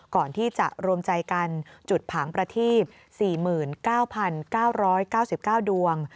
ก่อนที่จะรวมใจกันจุดผางประทีบ๔๙๙๙ดวง